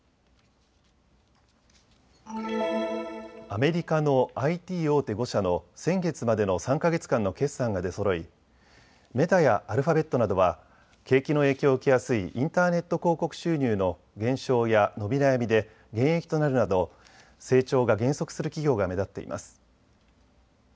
アメリカのＩＴ大手５社の先月までの３か月間の決算が出そろいメタやアルファベットなどは景気の影響を受けやすいインターネット広告収入の減少や伸び悩みで減益となるなど成長が減速する企業が目立っています。